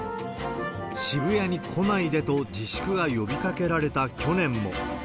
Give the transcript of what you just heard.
渋谷に来ないでと、自粛が呼びかけられた去年も。